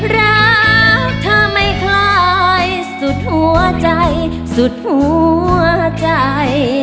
รักเธอไม่คล้ายสุดหัวใจสุดหัวใจ